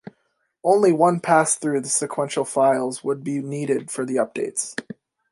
Only one pass through the sequential files would be needed for the updates.